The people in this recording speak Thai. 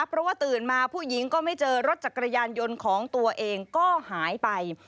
เพราะว่าตื่นมาผู้หญิงก็ไม่เจอรถจักรยานยนต์ของตัวเองก็หายไป